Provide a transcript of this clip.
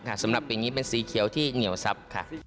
ยังเป็นสีเหลวที่เหงียวซับ